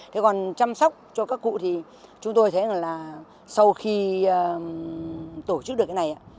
thế còn chăm sóc cho các cụ thì chúng tôi thấy là sau khi tổ chức được cái này ạ